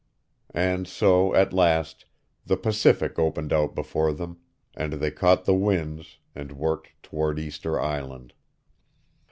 And so at last the Pacific opened out before them, and they caught the winds, and worked toward Easter Island.